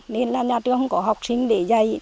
nên là nhà trường không có học sinh để dạy